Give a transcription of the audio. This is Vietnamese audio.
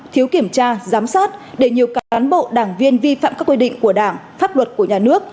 thiếu kiểm tra giám sát để nhiều cán bộ đảng viên vi phạm các quy định của đảng pháp luật của nhà nước